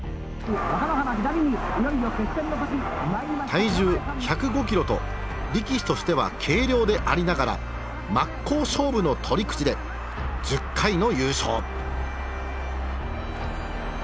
体重１０５キロと力士としては軽量でありながら真っ向勝負の取り口で１０回の優勝。